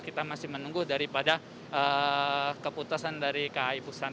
kita masih menunggu daripada keputusan dari kai pusat